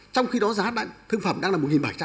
trong khi đó giá thương phẩm đang là một bảy trăm linh